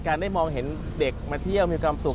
ได้มองเห็นเด็กมาเที่ยวมีความสุข